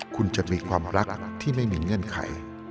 คุณจะมีความรักที่ไม่มีเงื่อนไข